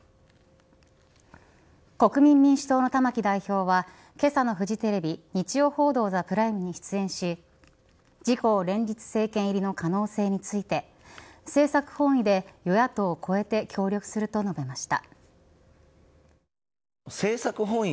国民民主党の玉木代表はけさのフジテレビ日曜報道ＴＨＥＰＲＩＭＥに出演し自公連立政権入りの可能性について政策本位で与野党を超えて協力すると述べました。